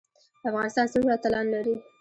افغانستان څومره اتلان لري؟